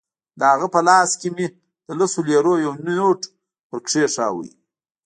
د هغه په لاس کې مې د لسو لیرو یو نوټ ورکېښود.